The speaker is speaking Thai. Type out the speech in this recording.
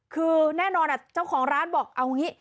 คือแน่นอนเนี่ยเจ้าของร้านบอกเอางี้